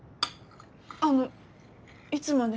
あのいつまで？